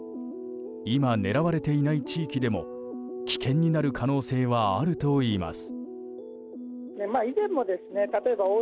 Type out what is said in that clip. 今、狙われていない地域でも危険になる可能性はあるといいます。